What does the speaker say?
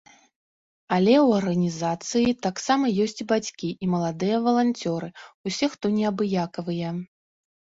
Але ў арганізацыі таксама ёсць і бацькі, і маладыя валанцёры, усе, хто неабыякавыя.